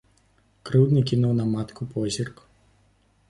Крыўдны кінуў на матку позірк.